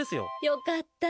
良かった。